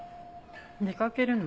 出かけるの？